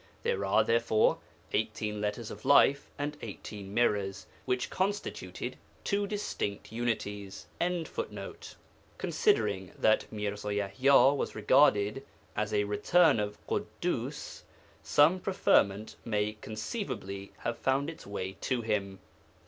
There are, therefore, 18 Letters of Life and 18 Mirrors, which constituted two distinct Unities.'] Considering that Mirza Yaḥya was regarded as a 'return' of Ḳuddus, some preferment may conceivably have found its way to him.